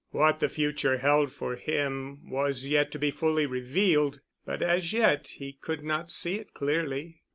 What the future held for him was yet to be fully revealed, but as yet he could not see it clearly.